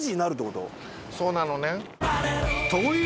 そうなのねん。